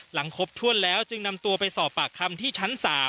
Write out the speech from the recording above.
ครบถ้วนแล้วจึงนำตัวไปสอบปากคำที่ชั้น๓